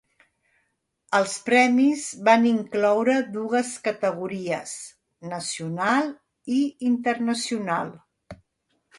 Els premis van incloure dues categories: nacional i internacional.